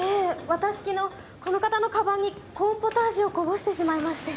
私昨日この方の鞄にコーンポタージュをこぼしてしまいまして。